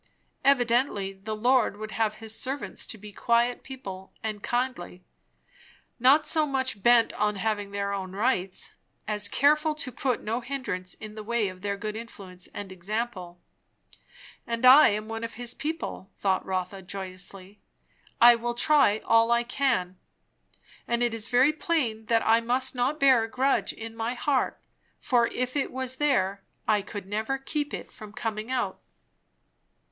Evidently the Lord would have his servants to be quiet people and kindly; not so much bent on having their own rights, as careful to put no hindrance in the way of their good influence and example. And I am one of his people, thought Rotha joyously. I will try all I can. And it is very plain that I must not bear a grudge in my heart; for if it was there, I could never keep it from coming out.